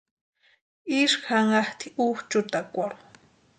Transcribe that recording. Isï janhatʼi úchʼutakwarhu.